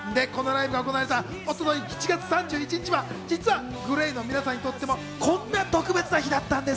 また、このライブが行われた一昨日７月３１日は実はＧＬＡＹの皆さんにとってもこんな特別な日だったんです。